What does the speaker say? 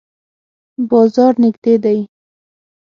بازار نږدې دی؟